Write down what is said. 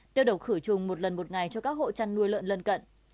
tiêu độc khử trùng một lần một ngày cho các hộ chăn nuôi lợn lân cận